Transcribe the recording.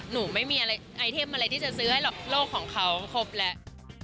หนูไม่มีอะไรไอเทมอะไรที่จะซื้อให้หรอกโลกของเขาครบแล้ว